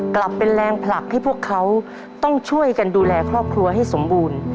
กลับเป็นแรงผลักให้พวกเขาต้องช่วยกันดูแลครอบครัวให้สมบูรณ์